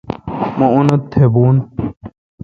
مہ اون تھبون۔